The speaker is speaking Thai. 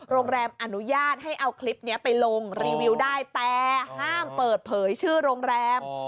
อนุญาตให้เอาคลิปนี้ไปลงรีวิวได้แต่ห้ามเปิดเผยชื่อโรงแรม